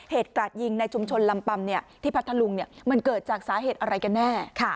กราดยิงในชุมชนลำปัมที่พัทธลุงมันเกิดจากสาเหตุอะไรกันแน่